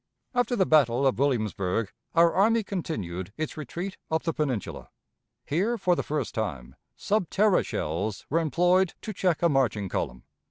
After the battle of Williamsburg our army continued its retreat up the Peninsula. Here, for the first time, sub terra shells were employed to check a marching column.